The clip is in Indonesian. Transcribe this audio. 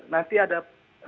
nanti ada perhubungan